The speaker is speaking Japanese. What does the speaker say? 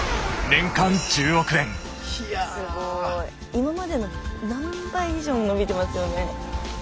今までの何倍以上も伸びてますよね。